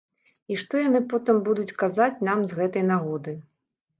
І што яны потым будуць казаць нам з гэтай нагоды.